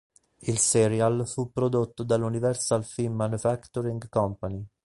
Il serial fu prodotto dall'Universal Film Manufacturing Company.